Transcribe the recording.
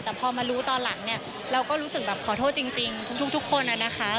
แต่พอมารู้ตอนหลังเนี่ยเราก็รู้สึกแบบขอโทษจริงทุกคนนะคะ